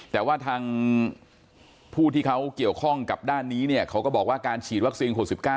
แต่ว่าทางผู้ที่เขาเกี่ยวข้องกับด้านนี้เนี่ยเขาก็บอกว่าการฉีดวัคซีน๖๙